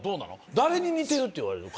誰に似てるって言われる顔